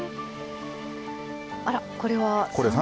あらこれは？